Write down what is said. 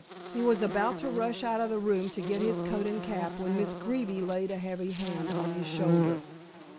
He was about to rush out of the room to get his coat and cap when Miss Greeby laid a heavy hand on his shoulder.